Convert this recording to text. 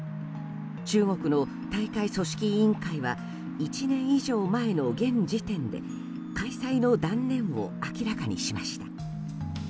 中国の大会組織委員会は１年以上前の現時点で開催の断念を明らかにしました。